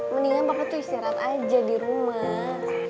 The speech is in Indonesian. mendingan papa tuh istirahat aja di rumah